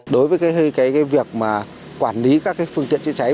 đối với cái việc mà quản lý các phương tiện chữa cháy